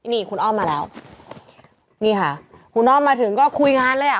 นี่คุณอ้อมมาแล้วนี่ค่ะคุณอ้อมมาถึงก็คุยงานเลยอ่ะ